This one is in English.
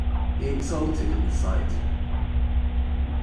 He exulted in the sight.